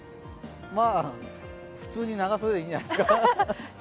普通に長袖でいいんじゃないですか？